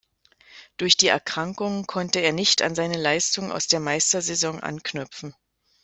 Durch die Erkrankungen konnte er nicht an seine Leistungen aus der Meistersaison anknüpfen.